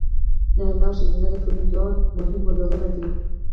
نارینه او ښځینه د ټولنې دوه مهم وزرونه دي.